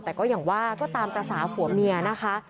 แต่ก็อย่างว่าก็ตามภาษาผัวเมียนะคะ